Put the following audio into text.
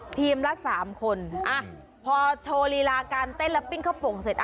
ทีมละ๓คนพอโชว์ลีลาการเต้นและปิ้งข้าวโป่งเสร็จ